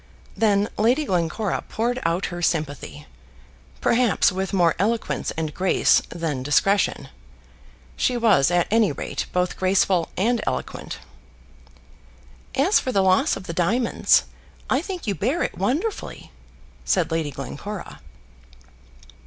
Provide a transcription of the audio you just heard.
Then Lady Glencora poured out her sympathy, perhaps with more eloquence and grace than discretion. She was, at any rate, both graceful and eloquent. "As for the loss of the diamonds, I think you bear it wonderfully," said Lady Glencora.